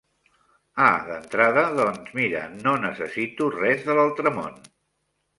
Ah d'entrada, doncs mira, no necessito res de l'altre món.